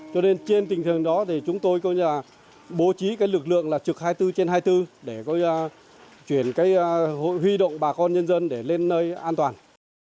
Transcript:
cho nên trên tình thường đó chúng tôi bố trí lực lượng trực hai mươi bốn trên hai mươi bốn để chuyển huy động bà con nhân dân lên nơi an toàn